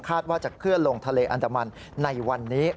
ว่าจะเคลื่อนลงทะเลอันดามันในวันนี้